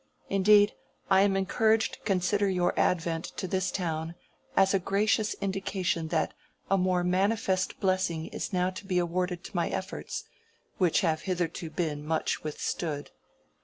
Indeed, I am encouraged to consider your advent to this town as a gracious indication that a more manifest blessing is now to be awarded to my efforts, which have hitherto been much withstood.